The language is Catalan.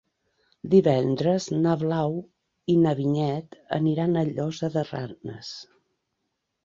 Divendres na Blau i na Vinyet aniran a la Llosa de Ranes.